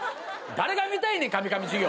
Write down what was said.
誰が見たいねんカミカミ授業。